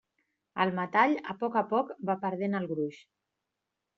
El metall a poc a poc va perdent el gruix.